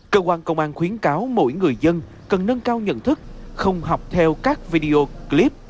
cơ quan công an khuyến cáo mỗi người dân cần nâng cao nhận thức không học theo các video clip